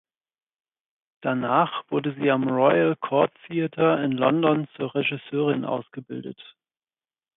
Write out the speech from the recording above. Danach wurde sie am Royal Court Theatre in London zur Regisseurin ausgebildet.